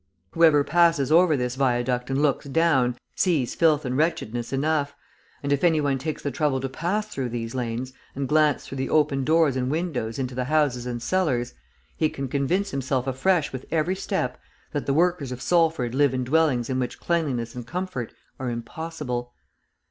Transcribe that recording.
Whoever passes over this viaduct and looks down, sees filth and wretchedness enough; and, if any one takes the trouble to pass through these lanes, and glance through the open doors and windows into the houses and cellars, he can convince himself afresh with every step that the workers of Salford live in dwellings in which cleanliness and comfort are impossible.